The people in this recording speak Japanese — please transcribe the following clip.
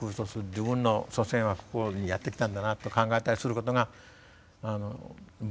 自分の祖先はここにやって来たんだなと考えたりすることが僕は好きだった。